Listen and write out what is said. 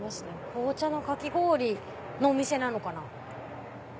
紅茶のかき氷のお店なのかな？